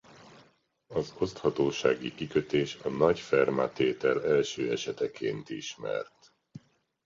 Az oszthatósági kikötés a nagy Fermat-tétel első eseteként ismert.